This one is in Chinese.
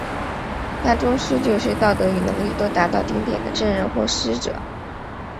大宗师就是道德与能力都达到顶点的真人或师者。